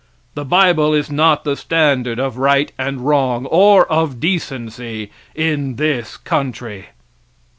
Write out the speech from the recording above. The bible is not the standard of right and wrong or of decency in this country.